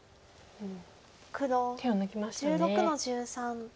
手を抜きましたね。